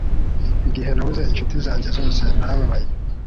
igihe nabuze inshuti zanjye zose narababaye